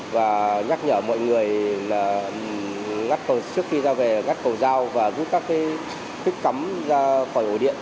và nhắc nhở mọi người trước khi ra về gắt cầu dao và rút các thích cắm ra khỏi ổ điện